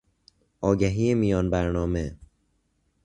آگهی میان برنامه